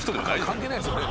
関係ないですよね。